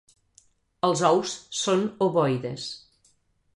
Els ous són ovoides.